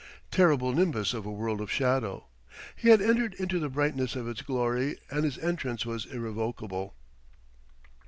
Terrible nimbus of a world of shadow! He had entered into the brightness of its glory, and his entrance was irrevocable.